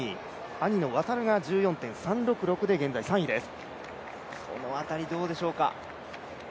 兄の航が１４．３６６で現在３位です。